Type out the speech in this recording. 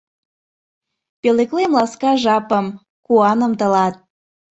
Пӧлеклем ласка жапым, куаным тылат.